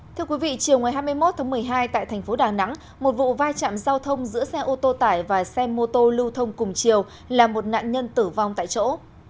thưa quý vị chiều ngày hai mươi một tháng một mươi hai tại thành phố đà nẵng một vụ vai trạm giao thông giữa xe ô tô tải và xe mô tô lưu thông cùng chiều là một nạn nhân tử vong tại chỗ